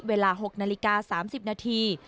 เวลา๖นาฬิกา๓๐นาที